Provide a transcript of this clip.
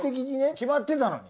決まってたのに。